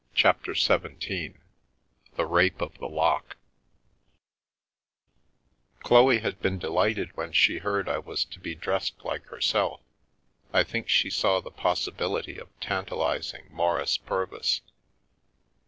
CHAPTER XVII THE RAPE OF THE LOCK CHLOE had been delighted when she heard I was to be dressed like herself — I think she saw the pos sibility of tantalising Maurice Purvis.